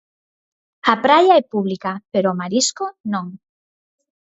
A praia é pública, pero o marisco non.